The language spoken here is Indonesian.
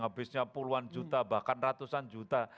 habisnya puluhan juta bahkan ratusan juta